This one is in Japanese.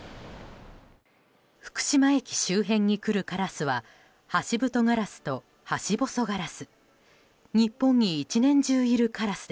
福島駅周辺に来るカラスはハシブトガラスとハシボソガラス。